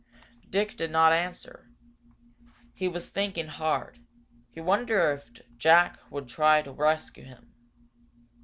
Dick did not answer. He was thinking hard. He wondered if Jack would try to rescue him.